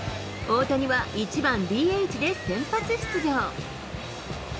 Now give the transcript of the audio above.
大谷は１番ＤＨで先発出場。